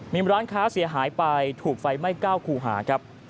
มีร้านค้าเสียหายไปถูกไฟไหม้๙คูหาครับ